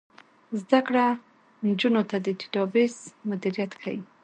زده کړه نجونو ته د ډیټابیس مدیریت ښيي.